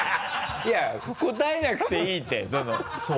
いや答えなくていいってその。